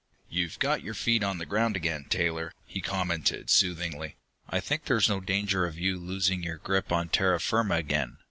"You've got your feet on the ground again, Taylor," he commented soothingly. "I think there's no danger of you losing your grip on terra firma again.